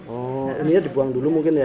oh ininya dibuang dulu mungkin ya